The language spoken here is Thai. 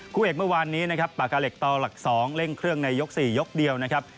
คู่เอกเมื่อวานนี้นะครับปากกาเหล็กต่อหลัก๒เร่งเครื่องในยก๔ยกเดียวนะครับ